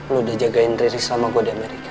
lu udah jagain riri selama gue di amerika